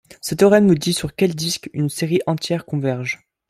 Ce théorème nous dit sur quel disque une série entière converge.